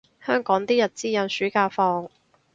香港啲日資有暑假放